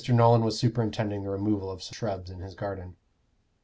Nolan was superintending the removal of some shrubs in his garden.